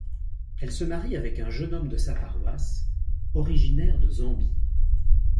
Elle se marie avec un jeune homme de sa paroisse, originaire de Zambie.